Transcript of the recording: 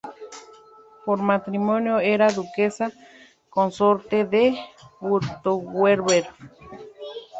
Por matrimonio, era Duquesa consorte de Wurtemberg.